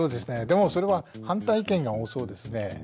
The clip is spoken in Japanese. でもそれは反対意見が多そうですね。